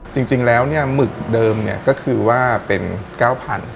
จริงแล้วหมึกเดิมก็คือว่าเป็น๙๐๐๐บาท